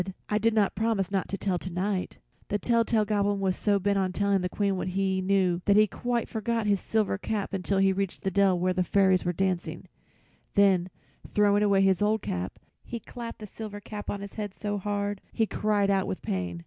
"I did not promise not to tell to night." The tell tale Goblin was so bent on telling the Queen what he knew that he quite forgot his new silver cap until he reached the dell where the fairies were dancing; then throwing away his old cap, he clapped the silver cap on his head so hard he cried out with pain.